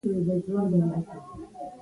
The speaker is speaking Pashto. د هغو وېروونکو قتلونو به څه ووایې.